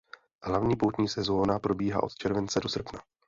Hlavní poutní sezóna probíhá od července do srpna.